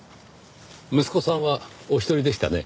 息子さんはお一人でしたね。